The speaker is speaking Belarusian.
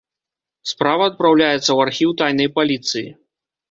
Справа адпраўляецца ў архіў тайнай паліцыі.